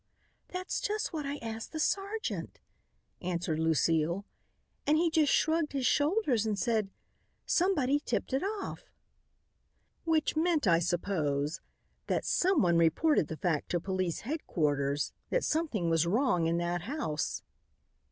"That's just what I asked the sergeant," answered Lucile, "and he just shrugged his shoulders and said, 'Somebody tipped it off.'" "Which meant, I suppose, that someone reported the fact to police headquarters that something was wrong in that house."